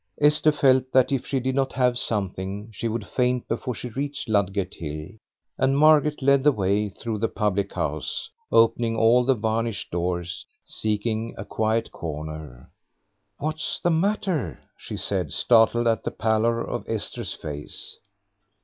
Esther felt that if she did not have something she would faint before she reached Ludgate Hill, and Margaret led the way through the public house, opening all the varnished doors, seeking a quiet corner. "What's the matter?" she said, startled at the pallor of Esther's face.